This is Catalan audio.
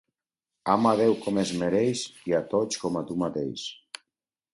Ama Déu com es mereix i a tots com a tu mateix.